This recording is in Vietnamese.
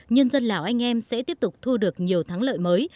nhân dân lào anh em sẽ tiếp tục thu được nhiều thắng lợi mới